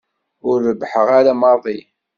Ur rebbḥeɣ ara maḍi.